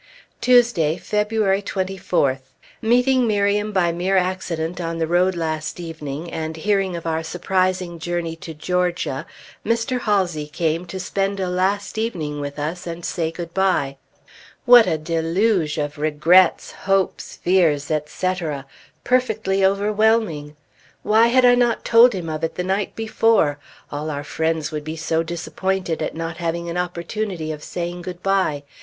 Tuesday [February] 24th. Meeting Miriam by mere accident on the road last evening and hearing of our surprising journey to Georgia, Mr. Halsey came to spend a last evening with us, and say good bye. What a deluge of regrets, hopes, fears, etc. Perfectly overwhelming. Why had I not told him of it the night before? All our friends would be so disappointed at not having an opportunity of saying good bye.